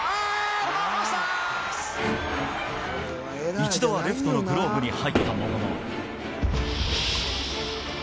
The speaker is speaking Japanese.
一度はレフトのグローブに入ったものの。